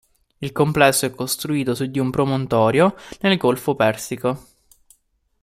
Il complesso è costruito su di un promontorio nel Golfo Persico.